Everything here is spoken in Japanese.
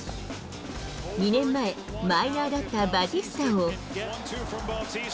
２年前、マイナーだったバティスタを。